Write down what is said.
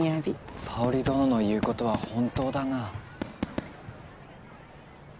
沙織殿の言うことは本当だな。